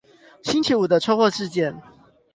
星期五的車禍事件